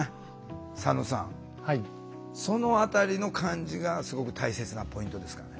佐野さんその辺りの感じがすごく大切なポイントですかね。